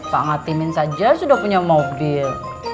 pak ngatimin saja sudah punya mobil